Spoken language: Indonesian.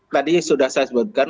tadi sudah saya sebutkan